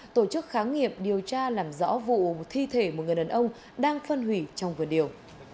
tổ chức kháng nghiệp điều tra làm rõ vụ thi thể một người đàn ông đang phân hủy trong vườn điều